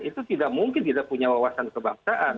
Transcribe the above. itu tidak mungkin tidak punya wawasan kebangsaan